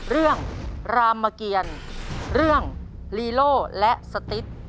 เรื่องรามเมอร์เกียรเรื่องลีโลและสติศ